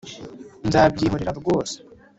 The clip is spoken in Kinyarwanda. nzabyihorera rwose